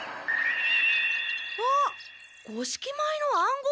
あっ五色米の暗号。